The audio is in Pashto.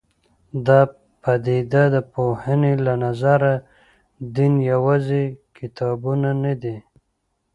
د پدیده پوهنې له نظره دین یوازې کتابونه نه دي.